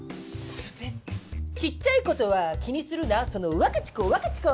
ちっちゃい事は気にするなそのワカチコワカチコ